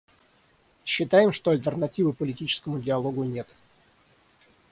Считаем, что альтернативы политическому диалогу нет.